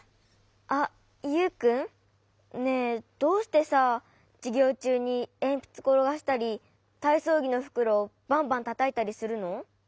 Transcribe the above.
あっユウくん？ねえどうしてさじゅぎょうちゅうにえんぴつころがしたりたいそうぎのふくろバンバンたたいたりするの？